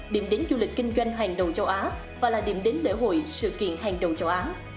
điểm đến du lịch kinh doanh hàng đầu châu á và là điểm đến lễ hội sự kiện hàng đầu châu á